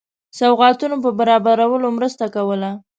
سوغاتونو په برابرولو مرسته کوله.